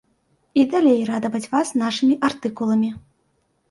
І далей радаваць вас нашымі артыкуламі.